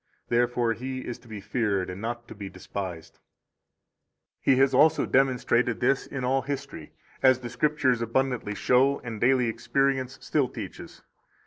Therefore He is to be feared, and not to be despised. 35 He has also demonstrated this in all history, as the Scriptures abundantly show and daily experience still teaches.